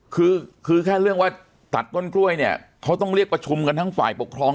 คือคือแค่เรื่องว่าตัดต้นกล้วยเนี่ยเขาต้องเรียกประชุมกันทั้งฝ่ายปกครอง